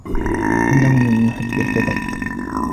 إنه من محبي القطط.